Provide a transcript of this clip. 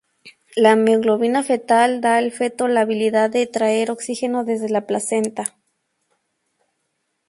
La hemoglobina fetal da al feto la habilidad de traer oxígeno desde la placenta.